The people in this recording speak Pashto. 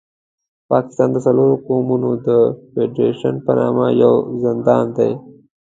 پاکستان د څلورو قومونو د فېډرېشن په نامه یو زندان دی.